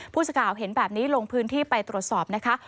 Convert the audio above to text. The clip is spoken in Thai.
ผู้สื่อข่าวเห็นแบบนี้ลงพื้นที่ไปตรวจสอบนะคะ